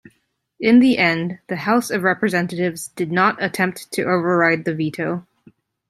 In the end, the House of Representatives did not attempt to override the veto.